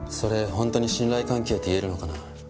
本当に信頼関係って言えるのかな。